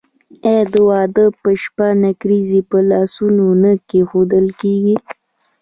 آیا د واده په شپه نکریزې په لاسونو نه کیښودل کیږي؟